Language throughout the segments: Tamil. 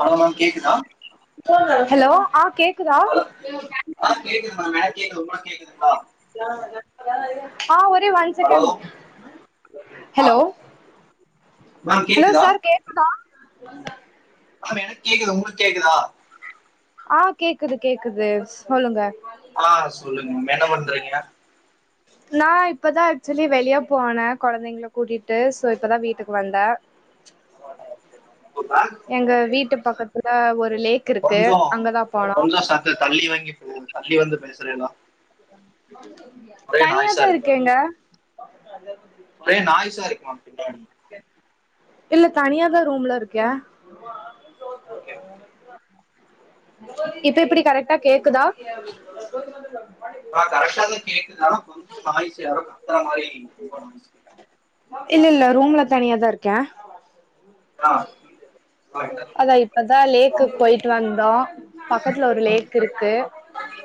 ஹலோ மேம் கேக்குதா ஆ ஹலோ ஆ கேக் க்குதா ஹலோ ஆ கேக்குது மேம் எனக்கு கேக்குது உங்களுக்கு கேக்குதுங்களா ஆ ஒரே ஒன் ஹலோ செகன்ட் ஆ hello okay okay ma'am hello கேக்குதா சார் கேக்குதா மேடம் எனக்கு கேக்குது ஒங்களுக்கு கேக்குதா ஆ கேக்குது கேக்குது சொல்லுங்க ஆ சொல்லுங்க மேம் என்ன பண்றீங்க நா இப்போ தா ஆக்சுவலி வெளிய போனே கொழந்தைங்கள கூட்டிட்டு ஸோ இப்போ த வீட்டுக்கு வந்தே போ த எங்க வீட்டு பக்கத்துல ஒரு லேக் இருக்கு கொஞ்சோ அங்கதா போனோ கொஞ்சோ சத்து தள்ளி வங்கி தள்ளி வந்து பேசுறேலா தனியாதா இருக்கு இருக்கேங்க ஒரே நாய்சா இருக்கு மேம் பின்னாடி இல்ல தனியாதா ரூம்ல இருக்கே ஓகே இப்ப எப்டி கரெக்டா கேக்குதா ம் கரெக்டாத கேக்கு ஆனா கொஞ்சோ வாய்சு யரோ கத்துற மாரி இல்ல இல்ல ரூம்ல தனியா தா இருக்கே ஆ கிலைடன் [unintelligible] அதா இப்பதா லேக்குக்கு போயிட்டு வந்தோ பக்கத்ல ஒரு ஆ, ஆ. லேக் இருக்கு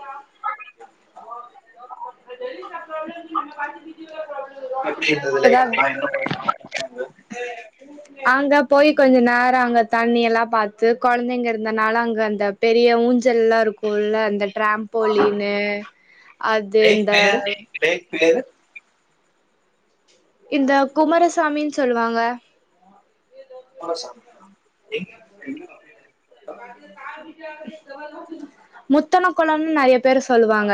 யாம் இந்த டெல்லி கன்ரோலே நீங்க பாத்துடிங்க எப்டி இருந்தது லேக்கல்லா என்ன போய் சாப்ட்டீங்க அங்க வேற எதுவு அங்க போய் கொஞ்ச நேர அங்க தண்ணி எல்லா பாத்து கொழந்தைங்க இருந்தனால அங்க அந்த பெரிய ஊஞ்சல்லா இருக்குல்ல அந்த அங்க டிராம்போலீனு அ லேக் பேரு லேக் பேரு இந்த குமாரசாமின் சொல்லுவாங்க குமரசாமியா எங் எங்க [inaudible] முத்தனகொளன் நெறைய பேரு சொல்லுவாங்க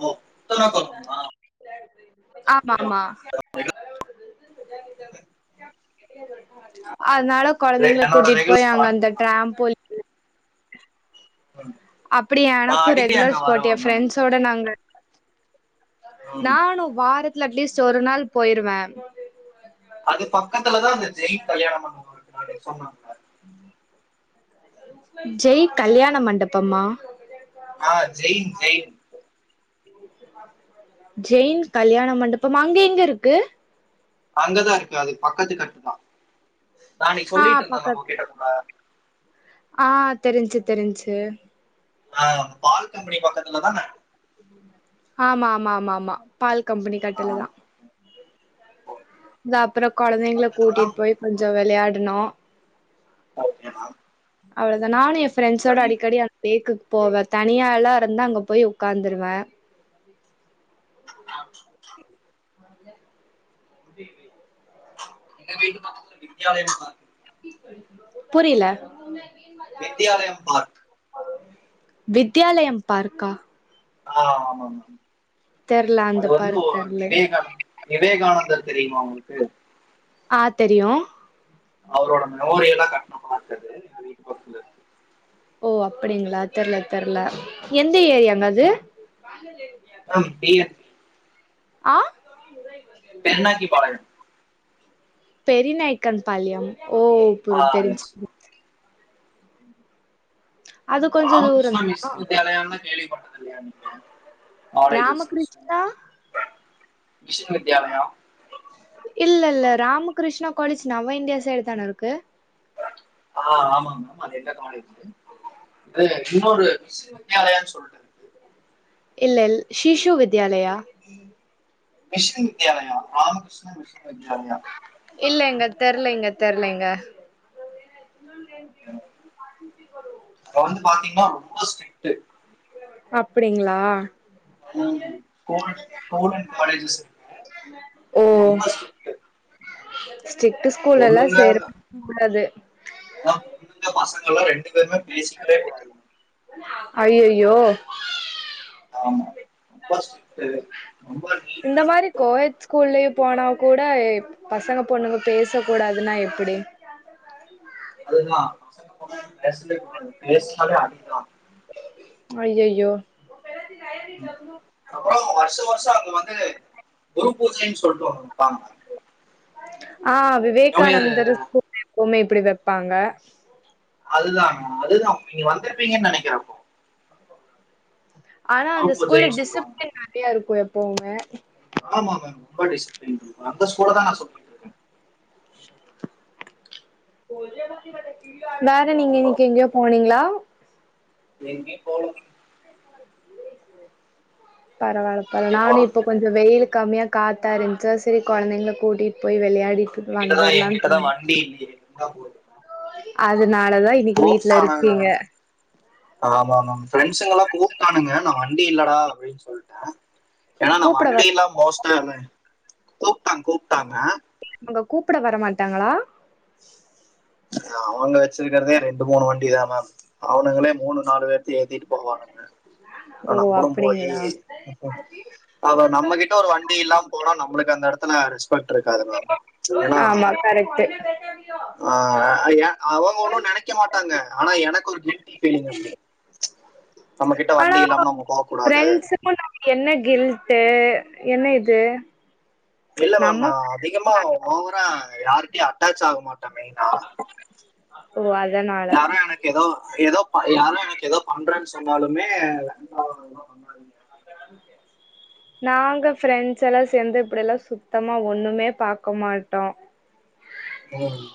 ஓ முத்துன கொளம்மா ஆமாமா அதுனால ரெ- கொழந்தைங்ள என்னோட கூட்டிட் ரெகுலர் போய் அங்க ஸ்பாட் அந்த மேம் டிராம்போ [unintelligible] அப்பிடியா நான் எனக்கு அடிக்கடி ரெகுலர் அங்க ஸ்பாட் எ வருவேன் மேம் ஃப்ரெண்ட்ஸ் ஸோட நாங்க ம். நானு வாரத்துல அட்லீஸ்ட் ஒரு நாள் போயிருவே அதுக் பக்கத்துல தா அந்த ஜெய் கல்யாண மண்டப இருக்கு அன்னைக் சொன்னாங் ம் ஜெய் கல்யாண மண்டபம்மா ஆ ஜெயின் ஜெய் ஜெயின் கல்யாண மண்டபம் அங்க எங்க இருக்கு? அங்கதா இருக்கு அதுக் பக்கத்து கட்டு தா ஆ பக்கத்து உங்ககிட்ட கூட ஆ தெரிஞ்ச்சு தெரிஞ்ச்சு ஆ பால் கம்பெனி பக்கத்துல தானே ஆமாமாமாமா பால் கம்பெனி ஆ, கட்டுல தா இந்தா அப்புற கொழந்தைங்ள பக்கத்துல தான் கூட்டிட் போய் கொஞ்சொ வெளையாடுனோ ஓகே மேம் அவ்ளதா நானு எ ஃப்ரண்ட்ஸோட அதான் நீ அடிக்கடி லேக்குக் போவே தனியால்லா இருந்தா அங்க போய் உக்காந்துருவே [unintelligible] எங்க வீட்டு பக்கத்ல வித்யாலயம் பார்க் புரியில வித்யாலயம் பார்க் வித்யாலயம் பார்க்கா? ஆ ஆமா மேம் தெர்ல அந்த அது வந்து பார்க் ஒ தெர்ல விவேகான விவேகானந்தர் தெரியுமா உங்ளுக்கு ஆ தெரியு அவரோட மெமோரியலா கட்னப்ப வச்சது எங்க வீட்டு பக்கத்லருக்கு ஓ அப்புடிங்ளா தெர்ல தெர்ல எந்த ஏரியாங்கது அம் பி என் ஆ பெருனாக்கி பாடகன் பெரி நாயக்கன் பாளயம் ஓ ஆ புரி தெரிஞ்ச்சு எஸ் மேம். அது கொஞ்சோ தூரோ ராமகிருஷ்ணா மிஷன் வித்யாலயான்லா கேள்விப்பட்ட தில்லயா நீங்க colleges school Ramakrishna mission Vidyalaya இல்ல இல்ல ராமகிருஷ்ணா காலேஜ் நம்ம இந்தியா சைடுதானே இருக்கு ஆ ஆமா அது எங்க காலேஜ் தா இது இன்னொரு [unintelligible] [unintelligible] இல்ல இல் ஷீசு வித்யாலயா விஷூ வித்யாலயா ராமகிருஷ்ணன் விஷூ வித்யாலயா இல்லங்க தெர்லங்க தெர்லங்க அது வந்து பாத்தீங்ன்னா ரொம்ப ஸ்ட்ரிட்டு அப்டிங்களா ம் ஸ்கூல் ஸ்கூல் அண்ட் காலேஜஸ்ல ஓ ஸ்டிட்டு ஸ்கூல் எல்லா சேரு கூடாது வா பொண்ணுங்க பசங்க எல்லா ரெண்டு பேருமே பேசிக்கவே கூடாது ஐயையோ ஆமா அப்பா ஸ்ரிக்ட்டு இந்த மாரி கோயட்ஸ் கூல்லயு போனா கூட பசங்க பொண்ணுங்க பேசக்கூடாதுனா எப்பிடி அதுதா பசங்க பொண்ணுங்க பேசவே கூடாது பேசுனாலே அடிதா ஐயையோ அப்றோ வர்ஷ வர்ஷ அவங்க வந்து குரு பூஜைன் சொல்ட்டு ஒன்னு வப்பாங்க ஆ இயர் விவேகானந்தர் [inaudible] எப்போமே இப்டி வப்பாங்க அதுதா அதுதா நீங்க வந்துருப்பீங்கன்னு நெனக்கிறே அப்போ ஆனா அந்த வகுப்பு ஸ்கூல்ல ஜெயின் சொல்லுவாங்க டிசிப்ளின் நெறைய இருக்கு எப்பவுமே ஆமா மேம் ரொம்ப டிசிப்ளின் இருக்கு அந்த ஸ்கூல்லதா தா சொல்லி வேற நீங்க ஹலோ இன்னிக்கு எங்யாது போனீங்களா எங்யு போல பரவால பரவால எங்கே நானு போறது இப்ப கொஞ்ச வெயிலு கம்மியா காத்தா இருன்ச்சா செரி கொழந்தைங்கள கூட்டிட் போய் வெளயாடி கிட்டதா ஏகிட்டதா வண்டி இல்லியே இருந்தா குடு அதனாலதா இன்னைக்கு போ வீட்ல சொல்றாங்ளா இருக்கீங்க ஆமாமாம் ஃப்ரெண்ட்ஸுங்கலா கூப்ட்டானுங்க நா வண்டி இல்லடா அப்டின் சொல்ட்டே ஏனா நா கூப்ட வர வண்டிலா மோஸ்ட்டா கூப்ட்டா கூப்ட்டாங்க அவங்க கூப்பட வர மாட்டாங்களா அவங்க வச்சிருக்கிறதே ரெண்டு மூணு வண்டி தா மேம் அவுனுங்களே மூணு நாலு பேர் ஏத்திட்டு போவானுங்க ஓ ஆ நம்மளு போயி அப்டிங்களா அப்ப நம்மகிட்ட ஒரு வண்டி இல்லாம போனா நம்ளுக்கு அந்த எடத்துல ரெஸ் பெக்ட் இருக்காது மேம் ஏனா ஆமா கரெக்ட்டு ஆ அவங்க ஒன்னு நெனைக்க மாட்டாங்க ஆனா எனக்கு ஒரு கில்டி பீலிங் அப்டி ஆனா போகக்கூடாது பிரெண்ட்ஸுக்கு நம்ம என்ன கில்ட்டு என்ன இது இல்ல மேம் நா நம்ம அதிகமா ஓவரா யாருட்டியு அட்டாச் ஆக மாட்டோ மெய்னா ஓ அதனால யாரு எனக் எதோ எதோ பண்ணா யாரோ எனக்கு எதோ பண்றேன் சொன்னாலுமே வேண்டா அதலா வே [unintelligible] நாங்க ப்ரெண்ஸ்ஸெல்லா சேந்து இப்டில்லா சுத்தமா ஒண்ணுமே பாக்கமாட்டோ ம்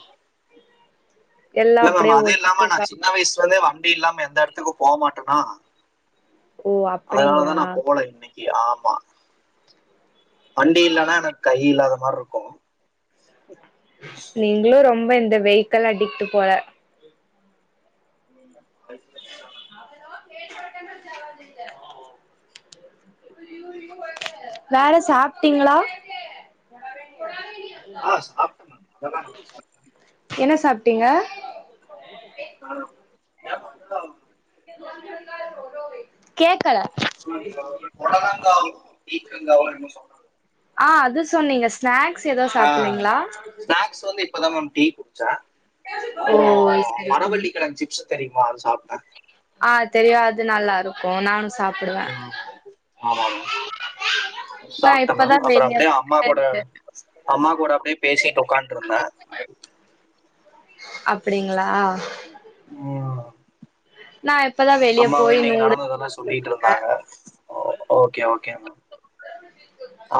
எல்லா இல்ல மேம் அப்டியே அதுஇல்லாம ஒட்டுக்கா நா சின்ன வயசுலந்தே வண்டி இல்லாம எந்த எடத்துக்கு போமாட்டனா ஓ அதனால தா அப்டிங்களா நா போல இன்னைக் க்கு ஆம்மா வண்டி இல்லன்னா எனக் கை இல்லாத மார் நீங்ளு ரொம்ப இந்த வெயிக்கல் அடிக்ட்டுபோல இந்த்க்காய் [unintelligible] வேற சாப்ட்டீங்களா ஆஹ் சாப்பிட்டேன் மேம் அதெல்லாம் நல்லா சாப்பிட்டேன் என்ன சாப்ட்டீங்க கானம் கேக்கல பொடலங்காவும் பிக்கங்காவு என்னொ சொல் ஆ அது சொன்னீங்க ஸ்நாக்ஸ் ஏதொ ஆ சாப்பில்லிங்ளா ஸ்நாக்ஸ் வந்து இப்பொதா மேம் டீ குட்ச்ச ஓ அப்பறொ சரி சரி மரவள்ளிக்கெழங்சிப்ஸ் தெரியுமா அது சாப்ட்ட ஆ தெரியு அது நல்லாருக்கு நானு சாப்டுவே ம் ஆமா மேம் நா சாப்ட்டே மேம் இப்பதா அப்பற வெளிய அப்பபடே அம்மா கூட வந்தே அம்மா கூட அப்டே பேசிட்டு உக்காட்டுருந்த அப்புடிங்களா ம் நாஎப் அம்மாவு இன்னிக் நடந்ததெல்லா வந்தே சொல்லிட்ருந்தாங்க ஓக்கே ஓக்கே மேம்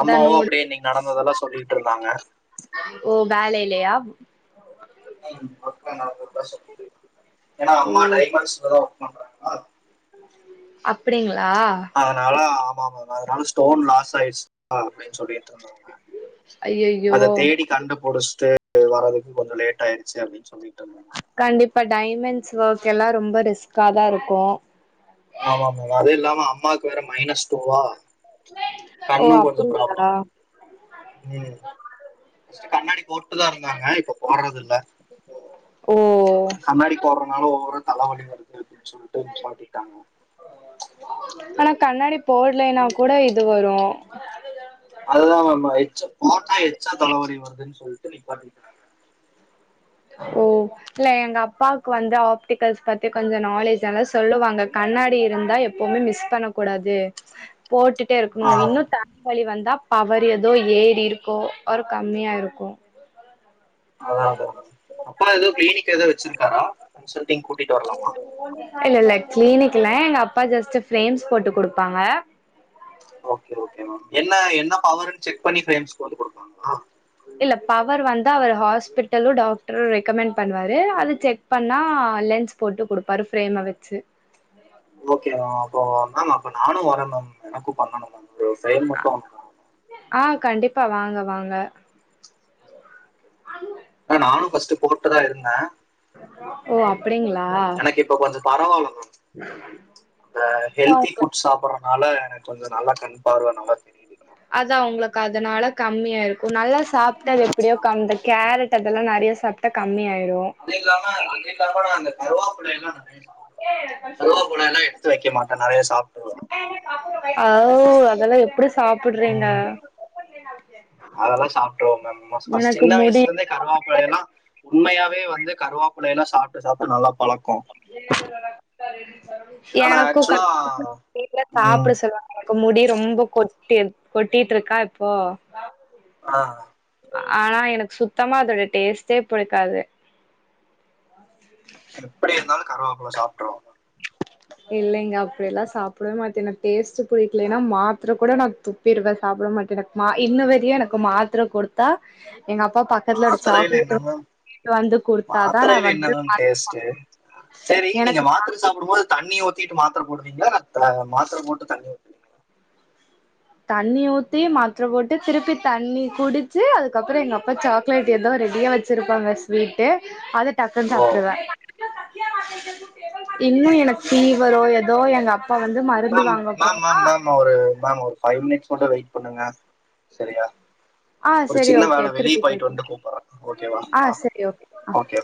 அதா அப்டே நூடுல்ஸ் இன்னிக் நடந்ததெல்லா சொல்லிட்ருந்தாங்க ஓ வேலைலெயா ம் ஓக்கேங்க [inaudible] சொல் ஏன்னா ஓ அம்மா டைமண்ட்ஸ்லதா ஒர்க் பண்றாங்க்ளா அப்புடிங்களா அதனால ஆம்மா மேம் அதனால ஸ்டோன்லாஸ் ஆய்ட்ச் அப்டின் சொல்லி சொன்வருங்க ஐயையோ அத தேடி கண்டுபுடிச்சுட்டு க்கு வறதுக்குகொஞ்சொ லேட் ஆயிடுச்சு அப்டின் சொல்லிட்டுருந்தாங்க கண்டிப்பா டைமண்ட்ஸ் ஒர்க்கெல்லா ரொம்ப ரிஸ்க்காதா இருக்கூ ஆம்மா மேம் அது இல்லாம அம்மாக்கு வேற மைனஸ் டூவா ஓ கண்ணும் கொஞ்சொ ப்ராப்ளொ அப்டிங்களா ம் பஃஸ்ட் கண்ணாடி போட்டுதா இருந்தாங்க இப்ப போட்றதுல்ல ஓ போற்றனால ஓவ்வொரா தலவலி வருது அப்படின்னு சொல்ட்டு நிப்பாட்டிடாங்க ஆனா கண்ணாடி போட்லைன்னா கூட இதுவரூ அதுதா மேம் அ எச்சா போட்டா எக்ஸ்டா தலவலி வருதுன் சொல்ட்டு நிப்பாட்டிடா ஓ இல்ல எங்க அப்பாக்கு வந்து ஆப்டிகல்ஸ் பத்தி கொஞ்ச நாலேஜ் அனா சொல்லுவாங்க கண்ணாடி இருந்தா எப் எப்பவுமே மிஸ் பண்ணக்கூடாது போட்டுட்டே இருக்குணு ஆ இன்னு தலவலி வந்தா பவர் எதோ ஏறிஇருக்கூ ஒரு கம்மியாருக்கூ அதா அதா அப்பா எதோ கிளினிக் எதோ வச்சிருக்காரா கன்சல்ட்டிங் கூட்டிட்டு வர்லாமா இல்ல இல்ல கிளீனிக் இல்ல எங்க அப்பா ஜஸ்ட் பிரேம்ஸ் போட்டுகுடுப்பாங்க ஓக்கே ஓக்கே மேம் என்ன என்ன பவர்ருன் செக் பண்ணி பிரேம்ஸ் போட்டு குடுப்பாங்களா இல்ல பவர் வந்து அவர் ஹாஸ்பிட்டலு டாக்ட்ரு ரெக்கமெண்ட் பண்ணுவாரு அது செக் பண்ணா லென்ஸ் போட்டு குடுப்பாரு ஃப்ரேம்ம வெச்சு ஓகே மேம் அப்போ மேம் அப்ப நானு வரேன் மேம் எனக்கு பண்ணணு மேம் உங்க சைன் மட்டு ஆ கண்டிப்பா வாங்க வாங்க ஆ நானு ஃபஸ்ட்டு போட்டுதா இருந்தே ஓ அப்டிங்ளா எனக் இப்ப கொஞ்சோ பரவால்ல மேம் இந்த உங்களுக்கு ஹெல்திஃபுட்ஸ் சாப்பட்றனால எனக்கு கொஞ்ச நல்லா கண் பார்வ நல்லா தெரி அது அவுங்களுக்கு அதனால கம்மியா இருக்கு நல்லா சாப்பிட்டா அது எப்டியோ கந்த கேரட் டதெல்லா நெறையா சாப்ட்டா கம்மிய ஆயிரு அது இல்லாம [unintelligible] அந்த கருவாப்பில எல்லா நெறையா சாப்பிடுவே கருவாப்பில எல்லா எடுன் எடுத்து வெய்க்க மாட்டே நெறைய சாப்டுவே ஔ அதெல்லா எப்டி சாப்பிடுறீங்க உம், லனச்ச அதெல்லா சாப்ட்ருவே மேம் மொஸ் ஃபஸ்ட் சின்ன முடி வய்ஸ்லருந்தே கருவாப் பிலை எல்லா உண்மையவே வந்து கருவாப்லைலா சாப்ட்டு சாப்ட்டு நல்லா பழக்கோ ஏன்னா நா எனக்கு [inaudible] ஆக்சுவலா வீட்ல ம் சாப்பிட சொல்லுவா எனக்கு முடி ரொம்ப கொட்டி கொட்டிட்ருக்கா இப்போ ஆ ஆனா எனக்கு சுத்தமா அதோட டேஸ்ட்டே புடிக்காது எப்டி இருந்தாலு கருவேப்பில சாப்ட்ருவாங்க இல்லைங்க அப்டியெல்லா சாப்டவே மாட்டே எனக் டேஸ்ட்டு புடிக்லேன்னா மாத்ர கூட நா துப் பிருவே சாப்ட மாட்டே எனக்கு மா இன்ன வரையு எனக்கு மாத்ர குடுத்தா எங்கப்பா பக்கத்துல ஒரு மாத்திரையில சாக்லேட் என்ன மேம் [inaudible] வந்து குடுத்தா தா நா வந்து மருந்து சாப்டுவே செரி நீங்க மாத்ர சாப்டும்போது தண்ணி ஊத்திட்டு மாத்ர போடுவீங்ளா இந்த மாத்ர போட்டு தண்ணி ஊத்துவீங்களா தண்ணி ஊத்தி மாத்ர போட்டு திருப்பி தண்ணி குடிச்சு அதுக்கப்றோ எங்கப்பா சாக்லேட் எதோ ரெடியா வெச் சிருப்பாங்க ஸ்வீட்டு அது டக்குன் ஓ சாப்ட்ருவே இன்னு எனக்கு ஃபிவரோ எதோ எங்கப் பா வந்து மருந்து வாங்க போனா மா ஒரு மேம் ஒரு ஃபை மினிட்ஸ் மட்டு வெயிட் பண்ணுங்க சரியா ஆ ஒரு சரி சின்ன ஓகே வேல வெளிய திருப்பி போயிட்டு கால் பண் வந்துட்டு கூப்பறங்க ஓகேவா ஆ அ சரி ஓகே ஆ ஓகே